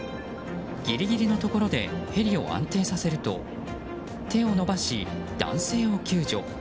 ギリギリのところでヘリを安定させると手を伸ばし男性を救助。